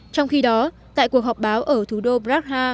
trong khi đó tại cuộc họp báo ở thủ đô brakha